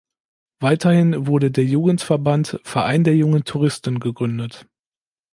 Weiterhin wurde der Jugendverband "Verein der jungen Touristen" gegründet.